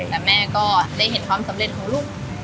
แต่แม่ก็ได้เห็นความสำเร็จของลูก